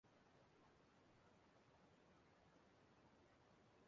nke a ga-eme n’ọ dị ime ọzọ mgbe ahụ ya anọchibeghị